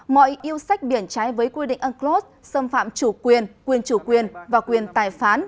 mọi yêu sách biển trái với quy định unclos xâm phạm chủ quyền quyền chủ quyền và quyền tài phán